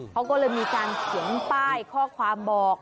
เขาก็เลยมีการเขียนป้ายข้อความบอก